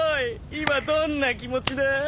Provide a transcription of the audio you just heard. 今どんな気持ちだ？